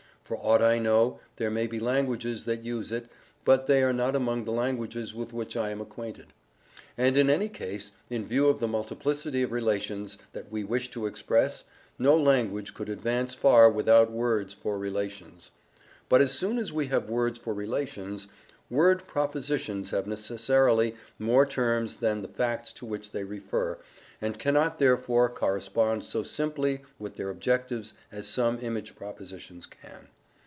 For aught I know, there may be languages that use it, but they are not among the languages with which I am acquainted. And in any case, in view of the multiplicity of relations that we wish to express, no language could advance far without words for relations. But as soon as we have words for relations, word propositions have necessarily more terms than the facts to which they refer, and cannot therefore correspond so simply with their objectives as some image propositions can.